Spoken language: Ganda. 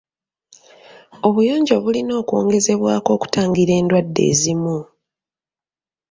Obuyonjo bulina okwongezebwako okutangira endwadde ezimu.